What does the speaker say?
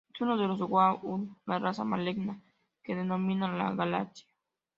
Es uno de los Goa'uld, la raza maligna que domina la galaxia.